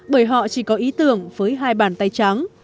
bởi họ chỉ có ý tưởng với hai bàn tay trắng